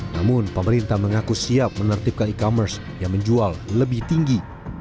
namun pemerintah mengaku siap menertibkan e commerce yang menjual lebih tinggi